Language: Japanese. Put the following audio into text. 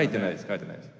書いてないです。